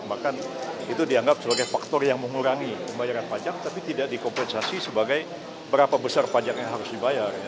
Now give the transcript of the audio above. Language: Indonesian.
bahkan itu dianggap sebagai faktor yang mengurangi pembayaran pajak tapi tidak dikompensasi sebagai berapa besar pajak yang harus dibayar